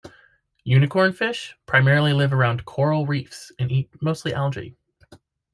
Unicornfish primarily live around coral reefs and eat mostly algae.